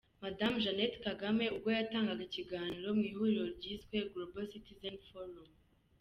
Madame Jeannette Kagame ubwo yatangaga ikiganiro mu ihuriro ryiswe "Global Citizen Forum’